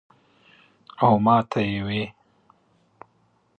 او ماته ئې وې ـ "